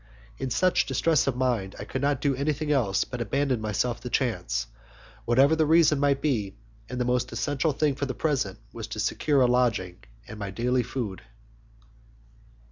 In such distress of mind I could not do anything else but abandon myself to chance, whatever the result might be, and the most essential thing for the present was to secure a lodging and my daily food.